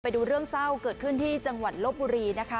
ไปดูเรื่องเศร้าเกิดขึ้นที่จังหวัดลบบุรีนะคะ